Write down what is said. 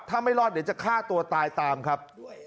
ถ้าไม่รอดเดี๋ยวจะฆ่าตัวตายตามครับ